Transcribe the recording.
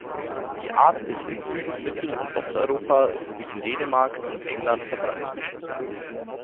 Die Art ist in Süd-, Mittel- und Osteuropa sowie in Dänemark und England verbreitet.